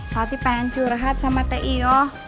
tati pengen curhat sama t i o